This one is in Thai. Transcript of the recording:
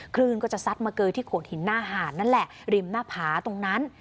คลื่นก็จะซัดมาเกยที่โขดหินหน้าหาดนั่นแหละริมหน้าผาตรงนั้น